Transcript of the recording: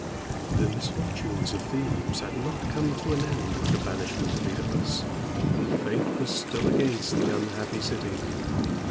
The misfortunes of Thebes had not come to an end with the banishment of OEdipus, and fate was still against the unhappy city.